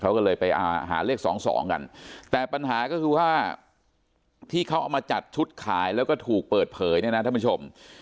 เขาก็เลยไปหาเลข๒๒กันแต่ปัญหาก็คือว่าที่เขาเอามาจัดชุดขายแล้วก็ถูกเปิดเผยเนี่ยนะท่านผู้ชม